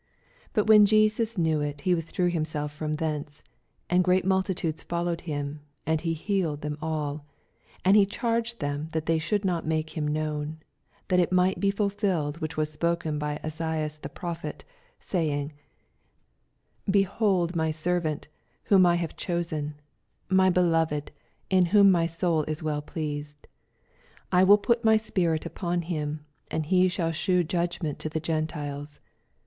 15 Bat when Jesus knew U, he withdrew himself from thence : and great multitudes followed him, and e hea)ed them all ; 16 And he charged them that they shouM not make mm known : 17 That it might be fulfilled which wafi spoken by Esaias the prophet, baylnff, 18 B«b?ld my servant, whom I have chosen : my beloved, in whom my soul is well pleased : I will put my spirit upon him, and he shall shew judg ment to the Gentiles.